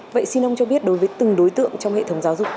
vậy xin ông cho biết đối với từng đối tượng trong hệ thống giáo dục